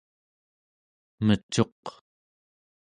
mecuq